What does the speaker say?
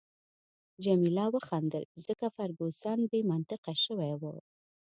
جميله وخندل، ځکه فرګوسن بې منطقه شوې وه.